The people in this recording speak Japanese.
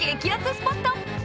スポット。